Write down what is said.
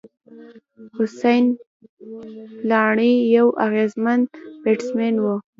حسېن بلاڼي یو اغېزمن بېټسمېن وو.